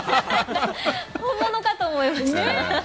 本物かと思いました。